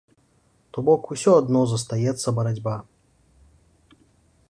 То бок ўсё адно застаецца барацьба.